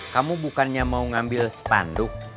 kamu bukannya mau ngambil spanduk